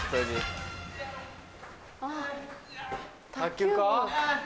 卓球か？